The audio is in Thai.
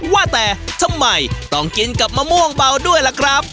ว่าแต่ทำไมต้องกินกับมะม่วงเบาด้วยล่ะครับ